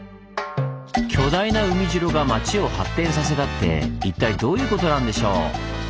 巨大な海城が町を発展させたって一体どういうことなんでしょう？